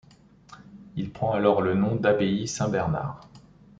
Il prend alors le nom d'abbaye Saint-Bernard.